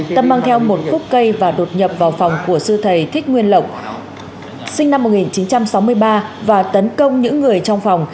tâm mang theo một khúc cây và đột nhập vào phòng của sư thầy thích nguyên lộc sinh năm một nghìn chín trăm sáu mươi ba và tấn công những người trong phòng